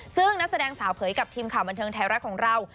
ซึ่งนักแสดงสาวเผยกับทีมข่าวบันเทิงไทยรัฐของเรา